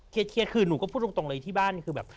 คือหนูก็พูดตรงเลยที่บ้านคือแบบ